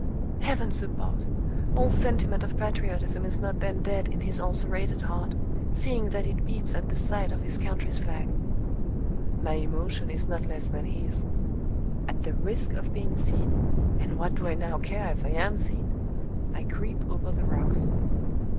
Heavens above! All sentiment of patriotism is not then dead in his ulcerated heart, seeing that it beats at the sight of his country's flag! My emotion is not less than his. At the risk of being seen and what do I now care if I am seen? I creep over the rocks.